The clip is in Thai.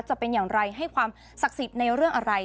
จะเป็นอย่างไรให้ความศักดิ์สิทธิ์ในเรื่องอะไร